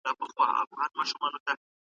هلک په وېره کې له خونې وتښتېد.